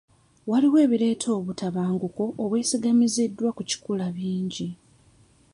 Waliwo ebireeta obutabanguko obwesigamiziddwa ku kikula bingi.